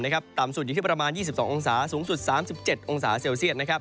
ตามสุดอยู่ที่ประมาณ๒๒โอกสัตว์สูงสุด๓๗โอกเซลเซียส